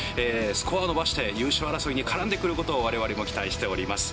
スコア伸ばして、優勝争いに絡んでくることを、われわれも期待しております。